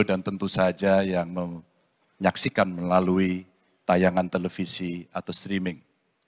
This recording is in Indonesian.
dan tentu saja yang menyaksikan melalui tayangan televisi atau streaming